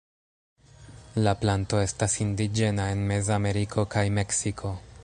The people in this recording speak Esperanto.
La planto estas indiĝena en Mezameriko kaj Meksiko.